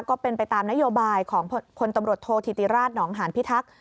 ก็เป็นไปตามนโยบายของพลตำรวจโทษธิติราชหนองหานพิทักษ์